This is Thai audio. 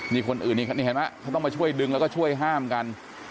นี่คนอื่นนี่เห็นไหมเขาต้องมาช่วยดึงแล้วก็ช่วยห้ามกัน